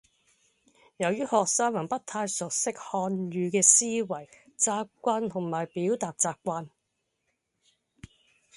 由於學生還不太熟悉漢語嘅思維習慣同埋表達習慣